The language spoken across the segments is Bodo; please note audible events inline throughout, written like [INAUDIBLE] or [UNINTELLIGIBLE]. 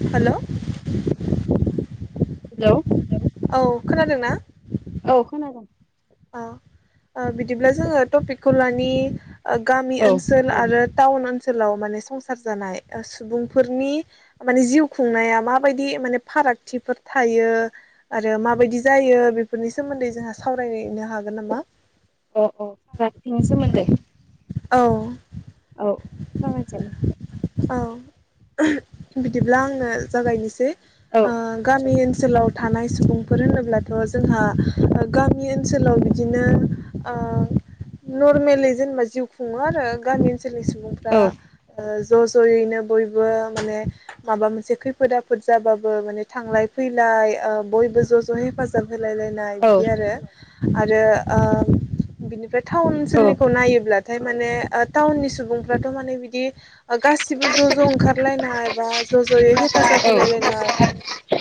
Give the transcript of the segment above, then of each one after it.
हेल'। हेलौ। औ खोनादोंना? औ खोनादों। अ ओ बिदिब्ला जोङो टपिकखौ लानि। ओ गामि औ ओनसोल आरो टाउन ओनसोलाव माने संसार जानाय सुबुंफोरनि माने जिउ खुंनाया माबायदि माने फारागथिफोर थायो आरो माबायदि जायो बेफोरनि सोमोन्दै जोंहा सावराय- नो हागोन नामा? अ अ फारागथिनि सोमोन्दै। औ। औ सावराय जायो। औ बिदिब्ला आंनो जागायनोसै। औ आ गामि ओन- सोलाव थानाय सुबुंफोर होनोब्लाथ' जोंहा ओ गामि ओन सोलाव बिदिनो ओ नर्मेलै जेनेबा जिउ खुङो आरो गामि ओनसोलनि सुबुंफ्रा औ ओ ज ज' ज'यैनो बयबो माने माबा मोनसे खैफोद आफोद जाबाबो माने थांलाय फैलाय ओ बयबो ज' ज' हेफाजाब होलायलायनाय औ बिदि आरो आरो ओ बिनिफ्राय थाउन औ ओनसोलनिखौ नायोब्ला थाय माने ओ टाउननि सुबुंफ्राथ' माने बिदि गासिबो ज' ज' ओंखारलायनाय बा ज' ज'यै औ हेफाजाब होलायलायनाय ओ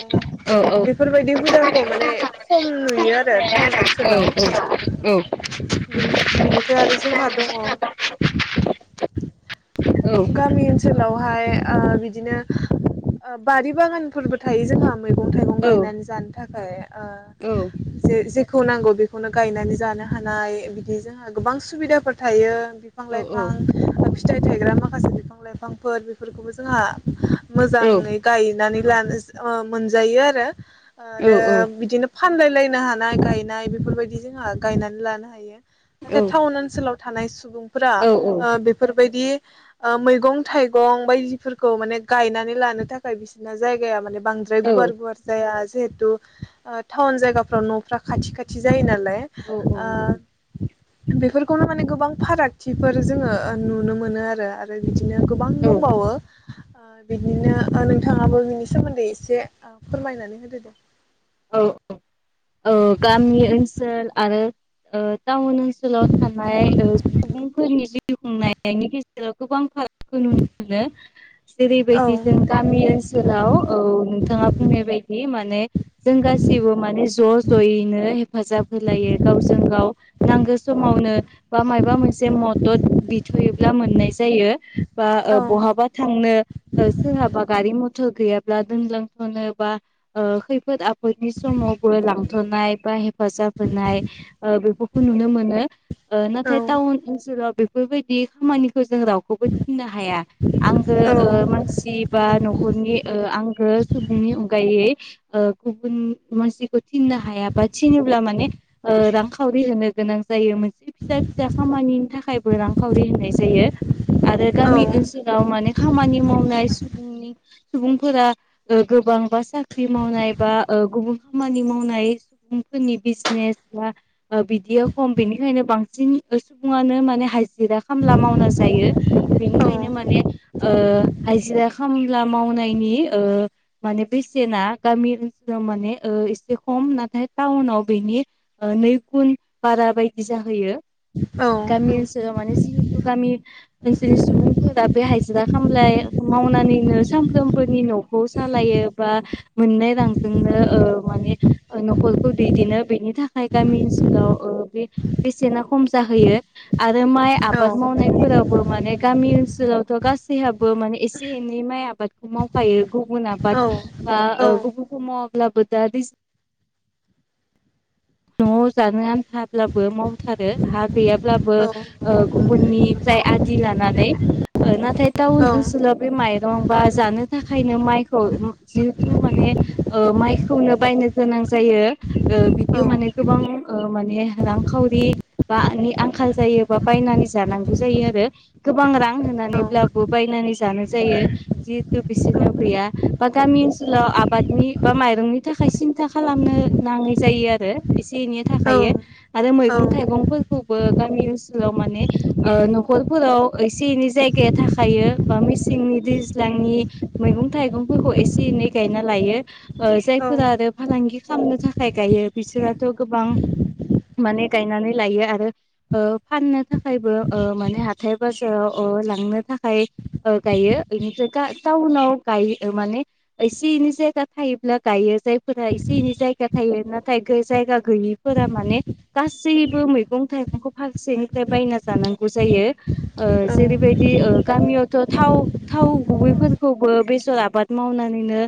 औ औ बेफोरबायदि हुदाखौ माने खम नुयो आरो थाउन औ औ बिनि बिनिफ्राय आरो औ जोंहा दङ [UNINTELLIGIBLE] [INAUDIBLE] गामि ओनस सोलावहाय ओ बिदिनो ओ बारि बागानफोरबो थायो जोंहा। मैगं थाइगं गायनानै जानो थाख खाय ओ जे जे खौ नांगौ बेखौनो गायनानै जानो हानाय बिदि जोंहा गोबां सुबिदाफोर थायो। बिफां लाइफां ओ फिथ फिथाइ थाइग्रा माख खासे बिफां लाइफांफोर बेफोरखौबो जोंहा मोजाङै गायनानै लानोस अ मोनजायो आरो आरो औ बिदिनोब फानलायलायनो हानाय गायनाय बेफोरबायदि जोंहा गायनानै लानो हायो। नाथाय औ थाउन ओनसोलाव थानाय सुबुं फोरा नंगौ औ ओ बेफोर बायदि ओ मैगं थाइगं बायदिफोरखौ माने गायनानै लानो थाखाय बिसोरना जायगाया माने बांद्राय गुवार गुवार जाया आज जिहेथु ओ थाउन जायगाफ्राव न'फ्रा खाथि खाथि जायो नालाय ओ बेफोरखौनो माने गोबां फारागथिफोर जोङो ओ नुनो मोनो आरो आथ फ्राय बिदिनो गोबां औ दंबावो ओ बिदिनो ओ नोंथाङाबो बिनि सोमोन्दै एसे ओ फोरमायनानै होदो दे? औ औ औ गामि ओनसोल आरो ओ टाउन ओनसोलाव थानाय ओ सुबुंफोरनि जिउ खुंनायनि गेजेराव गोबां फारागखौ नुनो मोनो। औ जेरैबायदि जों गामि ओनसोलाव औ नोंथाङा बुंनाय बायदि माने जों गासिबो माने ज' ज'यैनो हेफाजाब होलायो गावजों गाव नांगौ समावनो बा माबा मोनसे मदद बिथ'योब्ला मोननाय जायो। बा औ बहाबा थांनो सोरहाबा गारि मथर गैयाब्ला दोनलांथ'नो बा खैफोद खैफोद आफोदनि समाव बै लांथ'नाय बा हेफाजाब होनाय ओ बेफोरखौ नुनो मोनो। ओ औ नाथाय थाउन ओनसोलाव बेफोरबायदि खामानिखौ जों रावखौबो थिननो हाया। आंगो औ मानसि बा न नख'रनि आंगो सुबुंनि अनगायै ओ गुबुन मानसिखौ थिननो हाया बा थिनोब्ला माने ओ रांखावरि होनो गोनां जायो मोनसे फिसा फिसा खामानिनि थाखायबो रांखावरि होनाय जायो आरो औ गामि ओनसोलाव माने खामानि मावनाय सुबुंनि सुबुंफोरा गोबांबा साख्रि मावनाय बा ओ गुबुन खामानि मावनाय सुबुंफोरनि बिजनेस बा बिदिया खम बेनिखायनो बांसिन सुबुङानो माने हाजिरा खामला मावना जायो। बेनिखायनो माने ओहाजिरा खामला मावनायनि ओ माने बेसेना गामि ओनसोलाव माने ओ एसे खम नाथाय टाउनाव बेनि नै गुन बारा बायदि जाहैयो। औ गामि ओनसोलाव माने जि गामि ओनसोलनि सुबुंफोरा बे हायजिरा खामलाय मावनानैनो सामफ्रोमबोनि न'खौ सालायो बा मोननाय रांजोंनो ओ माने न'खरखौ दैदेनो बेनि थाखाय गामि ओनसोलाव ओ बे बेसेना खम जाहोयो आरो आरो माइ आबाद मावनायफोरावबो माने गामि ओन ओनसोलावथ' गासैहाबो माने एसे एनै माइ आबादखौ मावखायो। गुबुन आबाद ओ गुबुनखौ मावाब्लाबो दा दैज न'आव जानो आन्थाब्लाबो मावथारो हा गैयाब्लाबो ओ औ गु गुबुननिफ्राय आदि लानानै ओ नाथाय टावुन ओनसोलाव बे माइ दंबा जानो थाखायनो माइखौ जिहेथु माने ओ माइखौनो बायनो गोनां जायो ओ औ बिदियाव माने गोबां ओ माने रांखावरि बा आंखाल जायोबा बा बायनानै जानांगौ जायो आरो गोबां रां औ होनानैब्लाबो बायनानै जानो जायो जिहेथु बिसोरनो गैया बा गामि ओनसोलाव आबादनि बा माइरंनि थाखाय सिन्था खालामनो नाङै जायो आरो एसे एनै औ थाखायायो आरो औ मैगं थाइगंफोर खौबो गामि ओनसोलाव माने ओ न'खरफोराव एसे एनै जायगाया थाखायो बा मेसेंनि दैज्लांनि मैगं थाइगंफोर खौ एसे एनै गायना लायो ओ औ जायफोरा आरो फालांगि खालामनो थाखाय गायो बिसोराथ' गोबां माने गायनानै लायो आरो ओ फाननो थाखायबो ओ माने हाथाय बाजाराव ओ लांनो थाखाय ओ गायो बेनिफ्राय टाउनाव गाय माने एसे एनै जायगा थायोब्ला गायो जायफोरा एसे एनै जायगा थायो नाथाय जायगा गैयिफोरा माने गासैबो मैगं थाइगंखौ फारसेनिफ्राय बायना जानांगौ जायो ओ जेरैबायदि गामियावथ' थाव थाव गुबैफोरखौबो बेसर आ आबाद मावनानैनो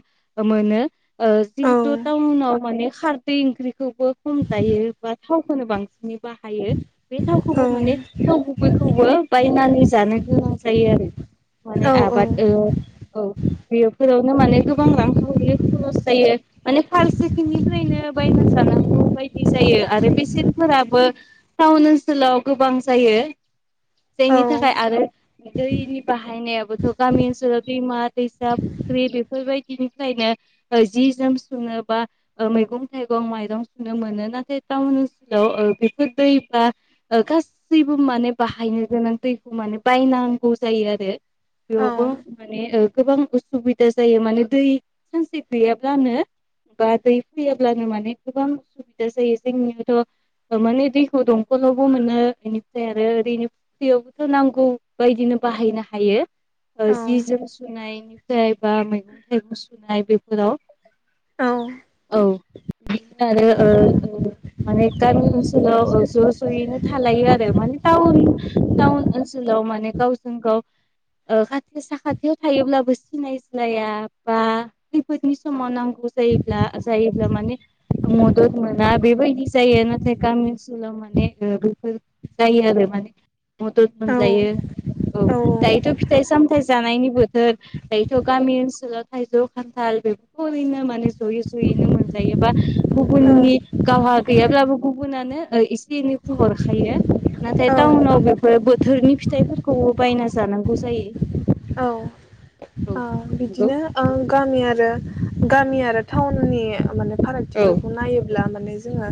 मोनो ओ जिहेथु टाउनाव माने खारदै ओंख्रिखौबो खम जायो बा थावखौनो बांसिनै बाहायो। बे थावखौबो माने थावगुबैखौ खौबो बायनानै जानो गोनां जायो आरो माने औ आबाद ओ औ बेफोरावनो माने गोबां रांखावरि खरस जायो माने फारसेथिंनिफ्रायनो बायना जानांगौ बायदि जायो आरो बेसेनफोराबो टाउन ओनसोलाव गोबां जायो जायनि थाखाय आरो दैनि बाहायनायाबोथ' गामि ओनसोलाव दैमा दैसा फुख्रि बेफोरबायदिनिफ्रायनो जि जोम सुनो बा मैगं थाइगं माइरं सुनो मोनो नाथाय टाउन ओनसोलाव ओ बेफोर दै बा गासैबो माने बाहायनो गोनां दैखौ माने बायनांगौ जायो आरो। बेयावबो माने ओ गोबां सुबिदा जायो माने दै सानसे गैयाब्लानो बा दै फैयाब्लानो माने गोबां उसुबिदा जायो जोंनियावथ' माने दैखौ दंखलावबो मोनो बेनिफ्राय आरो ओरैनो फुख्रियावबोथ' नांगौ बायदिनो बाहायनो हायो। जि जोम सुनाय [UNINTELLIGIBLE] बा मैगं थाइगं सुनाय बेफोराव औ। [UNINTELLIGIBLE] आरो‌ ओ ओ माने गामि ओनसोलाव ज' ज'यैनो थालायो आरो माने टाउन टाउन ओनसोलाव माने गावजों गाव ओ खाथि साखाथियाव थायोब्लाबो सिनायज्लाया बा खैफोदनि समाव नांगौ जायोब्ला जायोब्ला माने मदद मोना बेबायदि जायो नाथाय गामि ओनसोलाव माने ओ बैफोर जायो आरो माने। मदद मोनज्लायो औ दायोथ' फिथाइ सामथाय जानायनि बोथोर। दायोथ' गामि ओनसोलाव थाइजौ खान्थाल बेफोरखौ ओरैनो माने ज'यै ज'यैनो मोनजायोबा गुबुननि गावहा गैयाब्लाबो गुबुनानो ओ एसे एनैखौ हरखायो। नाथाय टावुनाव बेफोर बो थोरि फिथाइफोरखौ बायना जानांगौ जायो। औ। औ नंगौ बिदिनो ओ गामि आरो। गामि आरो टाउननि माने औ फारागथिफोरखौ नायो जेब्ला माने जोंहा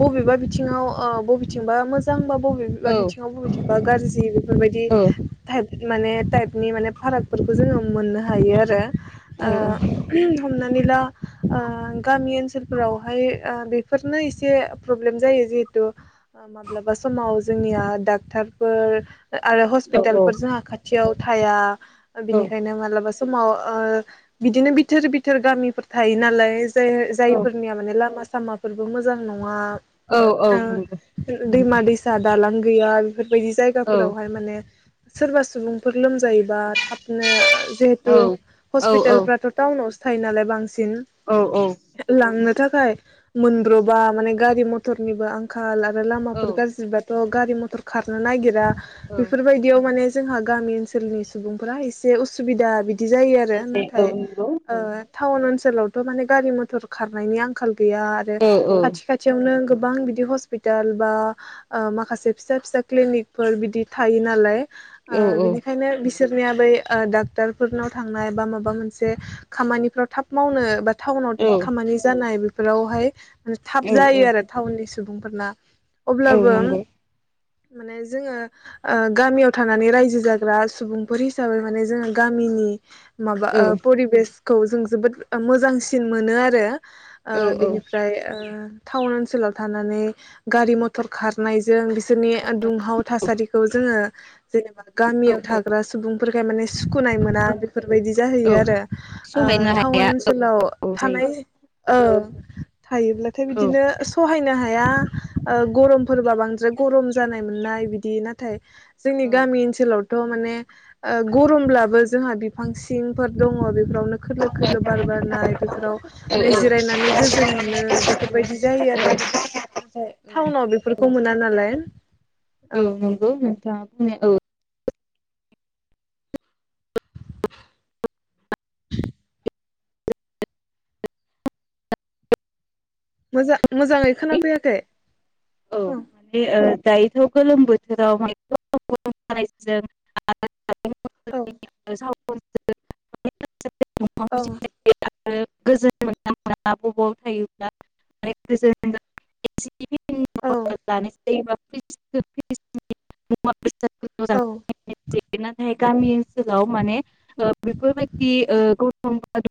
बबेबा बिथिंआव ओ बबेथिंब्ला मोजांबा बबेबा औ बिथिङाव बबेथिंबा गाज्रि बेफोरबायदि औ ताइप माने नि माने फारागफोरखौ जोङो मोननो हायो आरो ओ हमनानैला ओ गामि ओनसोलफोरावहाय ओ बेफोरनो एसे प्रब्लेम जायो जिहेथु माब्लाबा समाव जोंनिया डाक्टारफोर आरो औ हस्पितालफोर जोंहा खाथि [INAUDIBLE] थाया औ औ बिनिखायनो मालाबा सम समाव ओ बिदिनो बिथोर बिथोर गामिफोर थायो नालाय जाय जायफोरनिया माने लामा सामाफोरबो मोजां नङा औ औ। दैमा-दैसा दालां गैया बेफोरबायदि जायगाफोरावहाय माने सोरबा सुबुं फोर लोम जा जायोबा थाबनो जेहुथु हस्पितालफ्रा टाउनासो थायो नालाय बांसिन बांसिन सिन लांनो थाखाय मोनब्र'बा माने गारि मथरनिबो आंखााल लामाफोर गाज्रि बाथ ओ' गारि मथर खारनो नागिरा बेफोरबायदियाव माने जोंहा गामि ओनसोलनि सुबुंफोरा एसे उसुबिदा सुबिदा बिदि जायो आरो नाथाय टाउन ओनसोलाव माने गारि मथर खारनायनि आंखाल गैया आरो औ खाथि खाथियावनो गोबां बिदि हस्पिटाल बा ओ माखासे फिसा फिसा क्लिनिकफोर बिदि थायो नालाय। ओ औ औ बिनिखायनो बिस बिसोरनिया बै ओ डाक्टारफोरनाव थांनाय बा माबा मोनसे खामानिफ्राव थाब मावनो बाद थाउनाव औ खामानि जानाय बेफ फोरावहाय म थाब औ जायो आरो टाउननि स सुबुंफोरना औ अब्लाबो नंगौ माने जोङो ओ गामियाव था नानै रायजो जाग्रा सुबुंफोर हिसाबै माने जोङो गामिनि माबा औ ओ परिबेस खौ जों जोबोद ओ मोजांसिन मोनो आरो। ओ औ बिनिफ्राय ओ थाउन ओनसोलाव थानानै गारि मथर खारनायजों बिस सोरनि दुंहाव थासारिखौ जोङो जेनेबा औ गामियाव थाग्रा सुबुंफोरखाय माने सुखुनाय मोना आरो। बेफोरबायदि औ जाहैयो आरो ओ सहायनो थाउन हाया ओनसोलाव औ जायो थानाय ओ थायोब्लाथाय औ बिदिनो सहायनो हाय हाया ओ गरमफोरबा बांद्राय गरम जानाय मोननाय बिदि नाथाय जोंनि औ गामि ओनसोलाव थ' माने ओ गरमब्लाबो जोंहा बिफां सिंफोर दङ बेफ बेफोरावनो खोलो खोलो बार बारनाय बेफोराव औ माने जिरायनानै गोजोन मोनो बेफोरबायदि जायो आरो नाथाय टाउनाव बेफोरखौ मोना नालाय। औ नंगौ नोंथां। [UNINTELLIGIBLE] मोजा मोजाङै खोनाफैयाखै। औ माने ओ दायोथ' गोलोम बोथोराव माने [UNINTELLIGIBLE] औ औ [UNINTELLIGIBLE] [UNINTELLIGIBLE] [UNINTELLIGIBLE] [UNINTELLIGIBLE] औ [UNINTELLIGIBLE] दैमा [UNINTELLIGIBLE] औ [UNINTELLIGIBLE] नाथाय गामि ओनसोलाव माने ओ बेफोरबायदि ओ [UNINTELLIGIBLE]